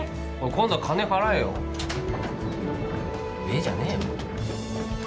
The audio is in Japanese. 今度は金払えよ「ベー」じゃねえよ